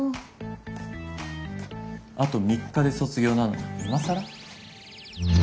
あと３日で卒業なのに今更？